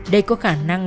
đây có khả năng